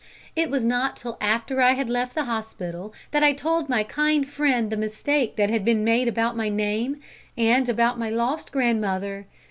It was not till after I had left the hospital that I told my kind friend the mistake that had been made about my name, and about my lost grandmother.